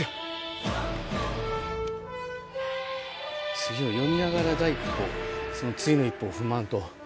次を読みながら第一歩その次の一歩を踏まんと。